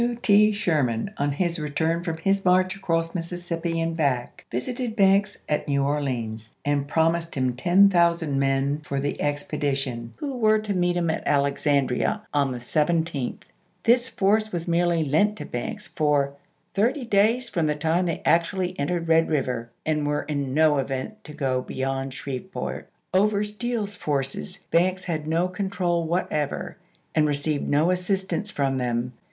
W. i864. T. Sherman, on his return from his march across Mississippi and back, visited Banks at New Or leans and promised him ten thousand men for the expedition, who were to meet him at Alexandria on the 17th. This force was merely lent to Banks gberman to for "thirty days from the time they actually en MaT!^S864. tered Red River," and were in no event to go "MeSs.'" beyond Shreveport. Over Steele's forces Banks had p°402".' no control whatever, and received no assistance from them.